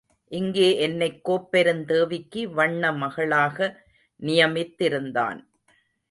இங்கே என்னைக் கோப்பெருந்தேவிக்கு வண்ணமகளாக நியமித்திருந்தான்.